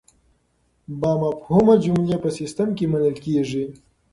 بامفهومه جملې په سیسټم کې منل کیږي.